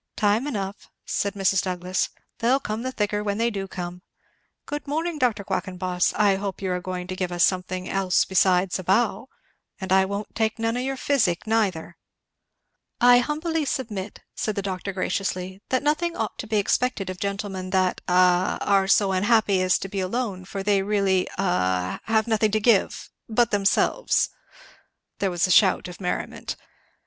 "Time enough," said Mrs. Douglass. "They'll come the thicker when they do come. Good morning, Dr. Quackenboss! I hope you're a going to give us something else besides a bow? and I won't take none of your physic, neither." "I humbly submit," said the doctor graciously, "that nothing ought to be expected of gentlemen that a are so unhappy as to be alone; for they really a have nothing to give, but themselves." There was a shout of merriment.